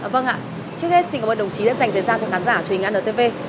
vâng ạ trước hết xin cảm ơn đồng chí đã dành thời gian cho khán giả truyền hình antv